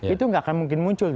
itu nggak akan mungkin muncul